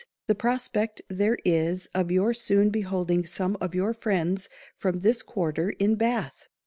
the prospect there is of your soon beholding some of your friends from this quarter in Bath.